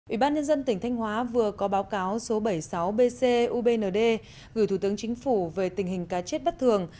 ủy ban nhân dân tỉnh thanh hóa vừa có báo cáo số bảy mươi sáu bc ubnd gửi thủ tướng chính phủ về tình hình cá chết bất thường